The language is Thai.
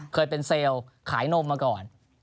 เคยเป็นเซลล์ขายนมมาก่อน